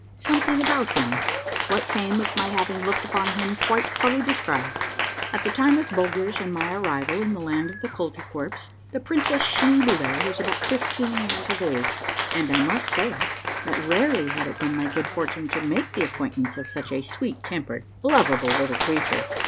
— SOMETHING ABOUT HIM. — WHAT CAME OF MY HAVING LOOKED UPON HIM QUITE FULLY DESCRIBED. At the time of Bulger's and my arrival in the land of the Koltykwerps the Princess Schneeboule was about fifteen years of age, and I must say that rarely had it been my good fortune to make the acquaintance of such a sweet tempered, lovable little creature.